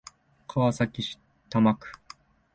川崎市多摩区